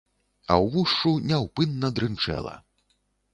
А ўвушшу няўпынна дрынчэла.